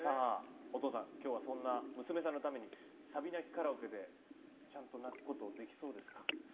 お父さん、今日はそんな娘さんのためにサビ泣きカラオケでちゃんと泣くことできそうですか。